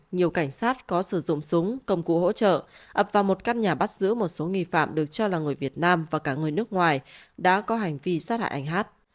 nhiều cảnh sát có sử dụng súng công cụ hỗ trợ ập vào một căn nhà bắt giữ một số nghi phạm được cho là người việt nam và cả người nước ngoài đã có hành vi sát hại anh hát